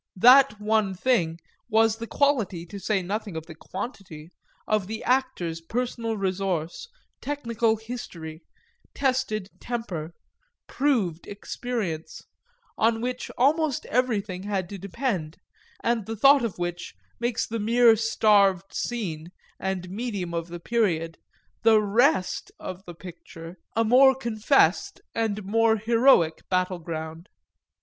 That one thing was the quality, to say nothing of the quantity, of the actor's personal resource, technical history, tested temper, proved experience; on which almost everything had to depend, and the thought of which makes the mere starved scene and medium of the period, the rest of the picture, a more confessed and more heroic battle ground.